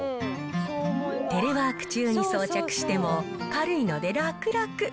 テレワーク中に装着しても軽いので楽々。